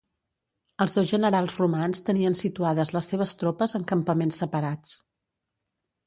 Els dos generals romans tenien situades les seves tropes en campaments separats.